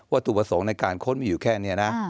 ถูกประสงค์ในการค้นมีอยู่แค่นี้นะ